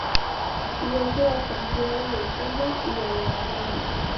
Luego a Santiago de Cuba, y a La Habana.